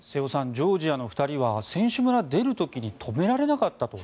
ジョージアの２人は選手村を出る時に止められなかったと。